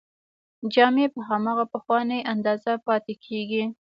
جامې په هماغه پخوانۍ اندازه پاتې کیږي.